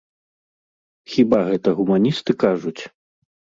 Хіба гэта гуманісты кажуць?